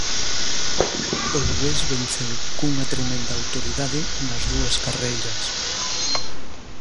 O lugués venceu cunha tremenda autoridade nas dúas carreiras.